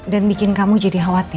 dan bikin kamu jadi khawatir